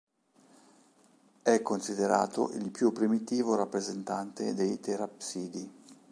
È considerato il più primitivo rappresentante dei terapsidi.